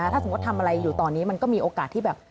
ถ้าสมมุติทำอะไรอยู่ตอนนี้มันก็มีโอกาสที่แบบ